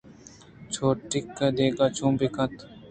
چوٹِک دگہ چون بِہ کنت